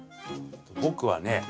僕はね